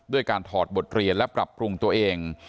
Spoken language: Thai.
ด้วยการถอดบทเรียนและปรับปรุงตัวเอง